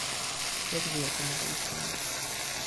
"jakże ja to mogę uczynić?"